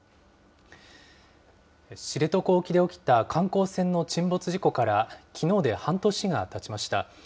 知床沖で起きた観光船の沈没事故からきのうで半年がたちました。